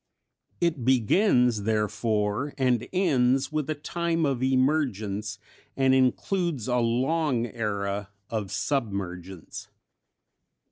It begins, therefore, and ends with a time of emergence, and includes a long era of submergence.